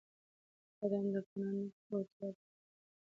بادام د افغانانو د ګټورتیا برخه ده.